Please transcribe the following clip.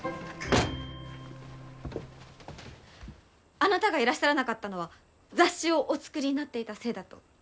あなたがいらっしゃらなかったのは雑誌をお作りになっていたせいだと。